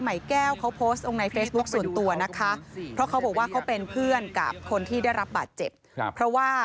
ไปไปเรียกมาไปเรียกมา